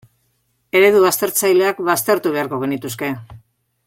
Eredu baztertzaileak baztertu beharko genituzke.